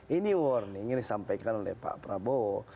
ini warning yang disampaikan oleh pak prabowo